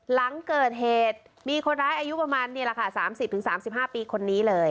หลังเกิดเหตุมีคนร้ายอายุประมาณนี่แหละค่ะ๓๐๓๕ปีคนนี้เลย